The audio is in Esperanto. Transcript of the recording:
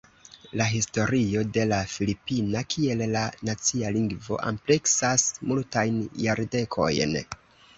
La historio de la Filipina kiel la nacia lingvo ampleksas multajn jardekojn.